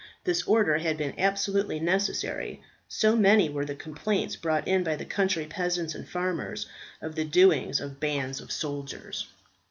This order had been absolutely necessary, so many were the complaints brought in by country peasants and farmers, of the doings of bands of soldiers.